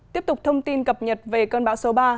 tiếp tục thông tin cập nhật về cơn bão số ba